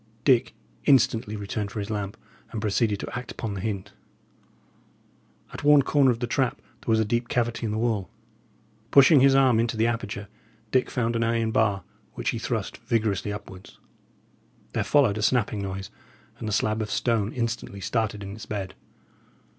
Dick instantly returned for his lamp, and proceeded to act upon the hint. At one corner of the trap there was a deep cavity in the wall. Pushing his arm into the aperture, Dick found an iron bar, which he thrust vigorously upwards. There followed a snapping noise, and the slab of stone instantly started in its bed.